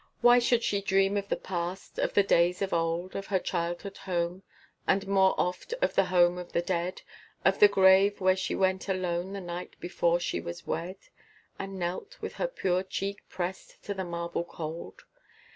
Why should she dream of the past, of the days of old, Of her childhood home, and more oft of the home of the dead, Of the grave where she went alone the night before she was wed, And knelt, with her pure cheek pressed to the marble cold?